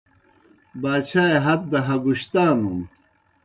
باچھائے ہت دہ ہگُشتانُن۔